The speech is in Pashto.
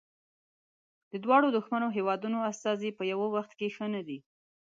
دواړو دښمنو هیوادونو استازي په یوه وخت کې ښه نه دي.